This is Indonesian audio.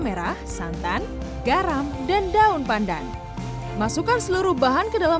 masukkan garam sedih assuming kali ralean ada gula